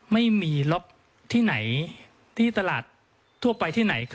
ไม่มีล็อกที่ไหนที่ตลาดทั่วไปที่ไหน